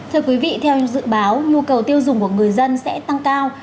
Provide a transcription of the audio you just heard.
thưa quý vị theo dự báo nhu cầu tiêu dùng của người dân sẽ tăng cao